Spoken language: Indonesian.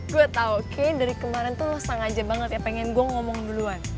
gue tau kayaknya dari kemarin tuh lo sengaja banget ya pengen gue ngomong duluan